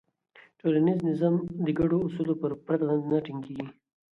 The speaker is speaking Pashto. ټولنیز نظم د ګډو اصولو پرته نه ټینګېږي.